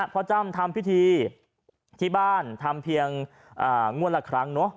จ้ำทำพิธีที่บ้านทำเพียงงวดละครั้งเนอะ